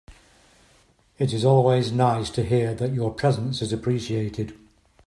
It is always nice to hear that your presence is appreciated.